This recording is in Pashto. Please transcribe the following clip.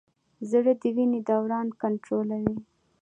زړه د وینې دوران کنټرولوي.